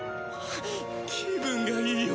気分がいいよ